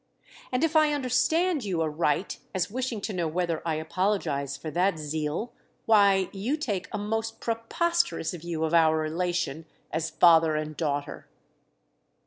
"And if I understand you aright as wishing to know whether I apologise for that zeal, why you take a most preposterous view of our relation as father and daughter."